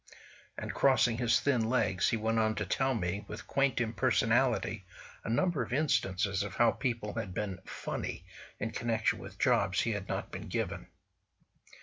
And crossing his thin legs, he went on to tell me, with quaint impersonality, a number of instances of how people had been funny in connection with jobs he had not been given.